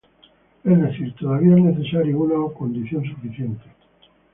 Es decir, todavía es necesario una o condición suficiente.